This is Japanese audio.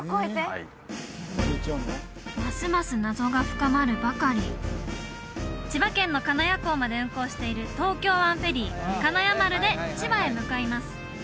はいますます謎が深まるばかり千葉県の金谷港まで運航している東京湾フェリーかなや丸で千葉へ向かいます